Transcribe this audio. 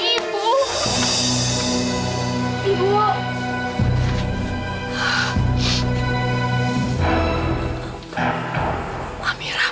ibu ini amira